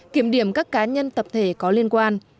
kiểm điểm các cá nhân tập thể có liên quan